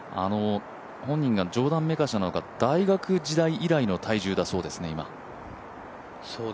本人が冗談めかしなのか大学時代以来の体重だそうですね。